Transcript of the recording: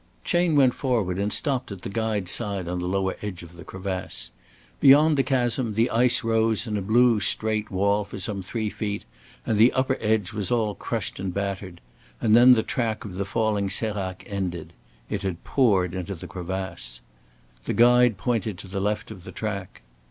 Chayne went forward and stopped at the guide's side on the lower edge of the crevasse. Beyond the chasm the ice rose in a blue straight wall for some three feet, and the upper edge was all crushed and battered; and then the track of the falling sérac ended. It had poured into the crevasse. The guide pointed to the left of the track.